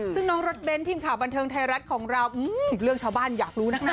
ซึ่งน้องรถเบ้นทีมข่าวบันเทิงไทยรัฐของเราอีกเรื่องชาวบ้านอยากรู้นะคะ